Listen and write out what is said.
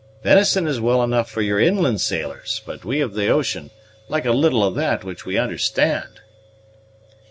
"Venison is well enough for your inland sailors, but we of the ocean like a little of that which we understand."